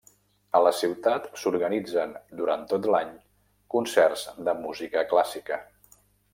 A la ciutat s'organitzen, durant tot l'any, concerts de música clàssica.